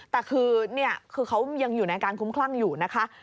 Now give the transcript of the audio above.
แต่คือเขายังอยู่ในอาการคุ้มคลั่งอยู่นะคะ